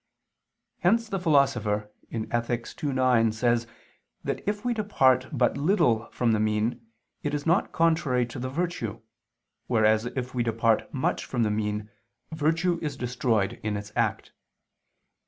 Hence the Philosopher (Ethic. ii, 9) says that if we depart but little from the mean, it is not contrary to the virtue, whereas if we depart much from the mean virtue is destroyed in its act.